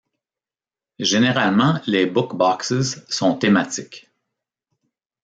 Généralement les BookBoxes sont thématiques.